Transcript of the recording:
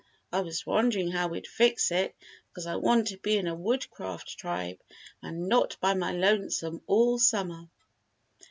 I was wondering how we'd fix it 'cause I want to be in a Woodcraft Tribe and not by my lonesome all summer."